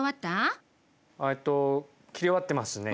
えっと切り終わってますね